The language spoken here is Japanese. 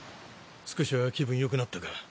少しは気分よくなったか？